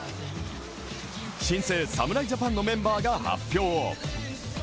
新生侍ジャパンのメンバーが発表。